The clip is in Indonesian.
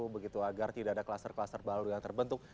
begitu agar tidak ada kluster kluster baru yang terbentuk